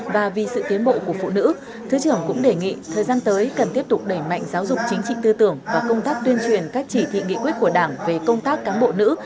và vì sự tiến bộ của phụ nữ thứ trưởng cũng đề nghị thời gian tới cần tiếp tục đẩy mạnh giáo dục chính trị tư tưởng và công tác tuyên truyền các chỉ thị nghị quyết của đảng về công tác cán bộ nữ